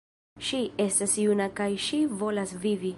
Ŝi estas juna kaj ŝi volas vivi!